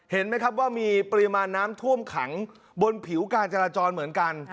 เห็นไหมครับว่ามีปริมาณน้ำท่วมขังบนผิวการจราจรเหมือนกัน